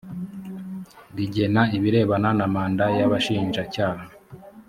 rigena ibirebana na manda y abashinjacyaha